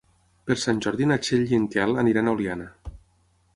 Per Sant Jordi na Txell i en Quel aniran a Oliana.